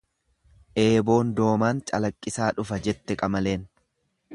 """Eeboon doomaan calaqqisaa dhufa""jette qamaleen."